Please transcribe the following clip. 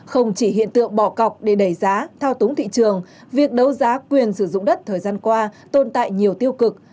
không chỉ hiện tượng bỏ cọc để đẩy giá thao túng thị trường việc đấu giá quyền sử dụng đất thời gian qua tồn tại nhiều tiêu cực